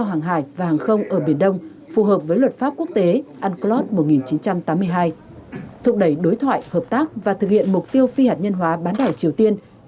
hai nhà lãnh đạo đánh giá cao tính thiết